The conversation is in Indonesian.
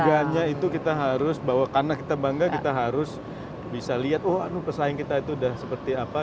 tiganya itu kita harus bahwa karena kita bangga kita harus bisa lihat wah pesaing kita itu udah seperti apa